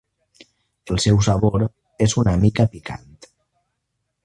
El seu sabor és una mica picant.